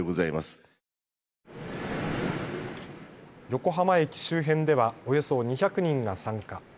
横浜駅周辺ではおよそ２００人が参加。